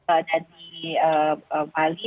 ada di bali